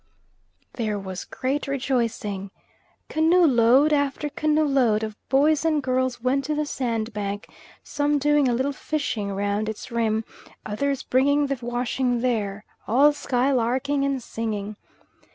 There was great rejoicing. Canoe load after canoe load of boys and girls went to the sandbank, some doing a little fishing round its rim, others bringing the washing there, all skylarking and singing.